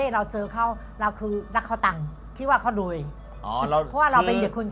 เหมือนมัฮคุณ